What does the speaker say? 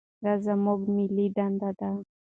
دا زموږ ملي دنده ده.